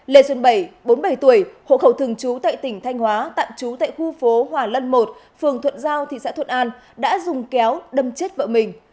lê xuân bảy bốn mươi bảy tuổi hộ khẩu thường trú tại tỉnh thanh hóa tạm trú tại khu phố hòa lân một phường thuận giao thị xã thuận an đã dùng kéo đâm chết vợ mình